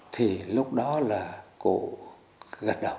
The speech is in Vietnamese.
thì lúc đó là cụ gật đầu